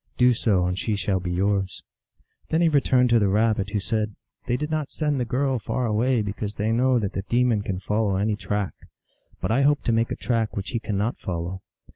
Do so, and she shall be yours." 228 THE ALGONQUIN LEGENDS. Then he returned to the Rabbit, who said, " They did not send the girl far away because they know that the demon can follow any track. But I hope to make a track which he cannot follow.